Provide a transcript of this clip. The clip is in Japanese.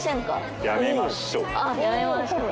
あっやめましょう。